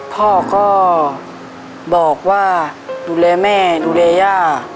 พ่อก็บอกว่าดูแลแม่ดูแลย่า